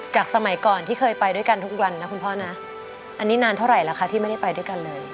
สมัยก่อนที่เคยไปด้วยกันทุกวันนะคุณพ่อนะอันนี้นานเท่าไหร่แล้วคะที่ไม่ได้ไปด้วยกันเลย